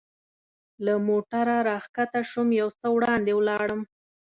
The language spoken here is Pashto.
له موټره را کښته شوم، یو څه وړاندې ولاړم.